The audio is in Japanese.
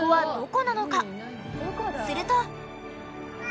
すると。